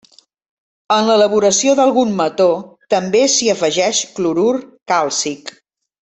En l'elaboració d'algun mató també s'hi afegeix clorur càlcic.